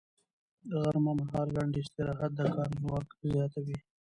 غرمه مهال لنډ استراحت د کار ځواک زیاتوي